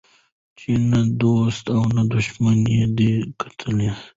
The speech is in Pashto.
چي نه دو ست او نه دښمن یې دی کتلی